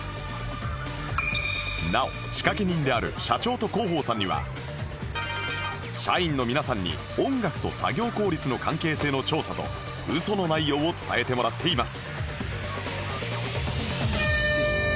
なお仕掛け人である社長と広報さんには社員の皆さんに「音楽と作業効率の関係性の調査」と嘘の内容を伝えてもらっています